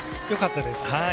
よかったです。